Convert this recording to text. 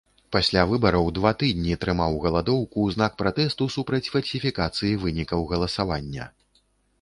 Пасля выбараў два тыдні трымаў галадоўку ў знак пратэсту супраць фальсіфікацыі вынікаў галасавання.